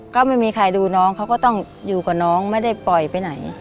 ก็ไม่มีใครดูน้องเขาก็ต้องอยู่กับน้องไม่ได้ปล่อยไปไหน